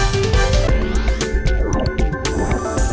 สวัสดีค่ะ